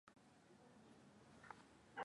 hati fungani zinaiva katika vipindi vinne